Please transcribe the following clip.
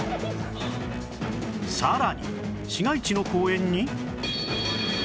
さらに市街地の公園に